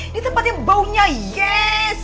di tempat yang baunya yes